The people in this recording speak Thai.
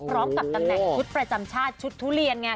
พร้อมกับตำแหน่งชุดประจำชาติชุดทุเรียนไง